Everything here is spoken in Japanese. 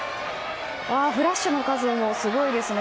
フラッシュの数もすごいですね。